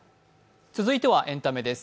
続いてはエンタメです。